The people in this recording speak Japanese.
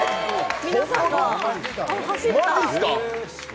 皆さんが走った。